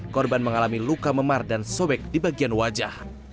korban mengalami luka memar dan sobek di bagian wajah